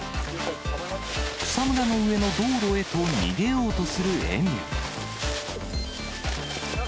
草むらの上の道路へと逃げようとするエミュー。